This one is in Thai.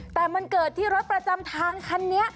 แต่มันเกิดที่รถประจำทางคันนี้